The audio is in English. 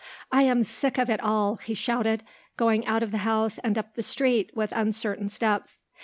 "I am sick of it all," he shouted, going out of the house and up the street with uncertain steps.